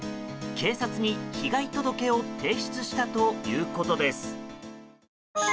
警察に被害届を提出したということです。